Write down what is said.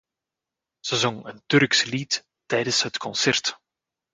Ze zong een Turks lied tijdens het concert.